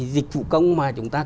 dịch vụ công mà chúng ta